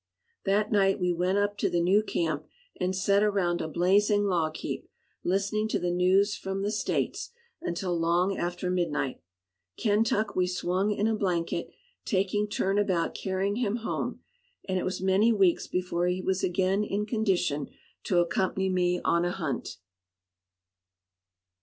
That night we went up to the new camp and sat around a blazing log heap, listening to the news from "the States" until long after midnight. Kentuck we swung in a blanket, taking turn about carrying him home, and it was many weeks before he was again in condition to accompany me on a hunt.